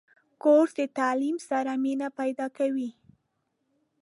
کورس د تعلیم سره مینه پیدا کوي.